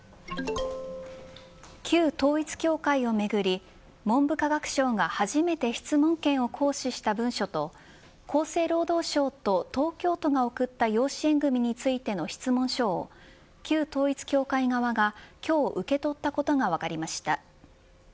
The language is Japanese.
旧統一教会をめぐり文部科学省が初めて質問権を行使した文書と厚生労働省と東京都が送った養子縁組についての質問書を旧統一教会側が今日、受け取ったことが分かりました。